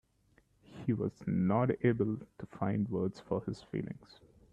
He was not able to find words for his feelings.